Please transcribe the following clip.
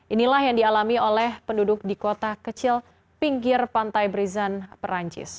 inilah yang dialami oleh penduduk di kota kecil pinggir pantai brisan perancis